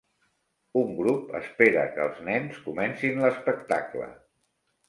Un grup espera que els nens comencin l'espectacle